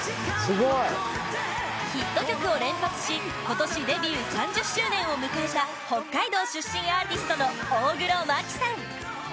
ヒット曲を連発し今年デビュー３０周年を迎えた北海道出身アーティストの大黒摩季さん